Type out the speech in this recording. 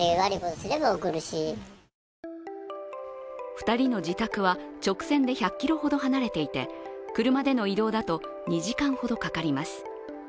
２人の自宅は直線で１００ｋｍほど離れていて車での移動だと２時間ほどかかります。